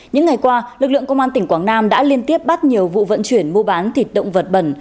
những ngày qua lực lượng công an tỉnh quảng nam đã liên tiếp bắt nhiều vụ vận chuyển mua bán thịt động vật bẩn